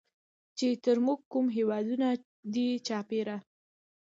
چې تر مونږ کوم هېوادونه دي چاپېره